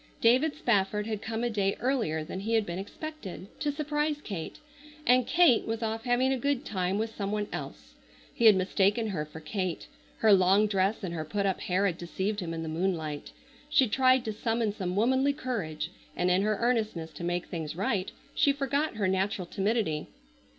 David Spafford had come a day earlier than he had been expected, to surprise Kate, and Kate was off having a good time with some one else. He had mistaken her for Kate. Her long dress and her put up hair had deceived him in the moonlight. She tried to summon some womanly courage, and in her earnestness to make things right she forgot her natural timidity.